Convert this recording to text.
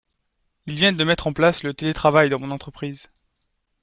Ils viennent de mettre en place le télétravail dans mon entreprise.